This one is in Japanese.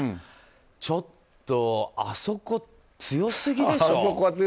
ちょっとあそこ、強すぎでしょ。